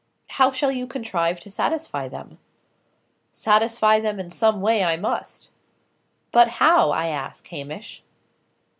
"How shall you contrive to satisfy them?" "Satisfy them in some way, I must." "But how, I ask, Hamish?"